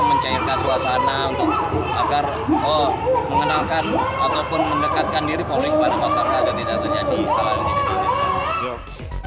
mencairkan suasana agar mengenalkan ataupun mendekatkan diri publik kepada masyarakat agar tidak terjadi setelah ini